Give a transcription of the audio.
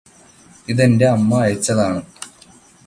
ഇതെന്റെ അമ്മ അയച്ചതാണ്